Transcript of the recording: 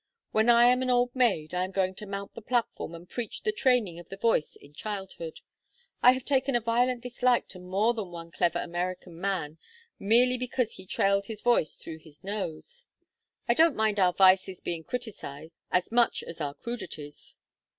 When I am an old maid I am going to mount the platform and preach the training of the voice in childhood. I have taken a violent dislike to more than one clever American man merely because he trailed his voice through his nose. I don't mind our vices being criticised as much as our crudities."